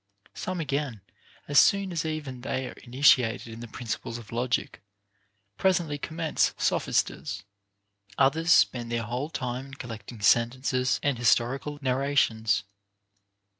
Some again, as soon as ever they are initiated in the principles of logic, presently commence sophisters. Others spend their whole time in collecting sentences and historical narrations.